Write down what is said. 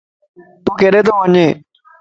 تُون کيڏي تو وڃي؟